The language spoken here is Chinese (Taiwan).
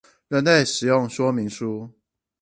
人類使用說明書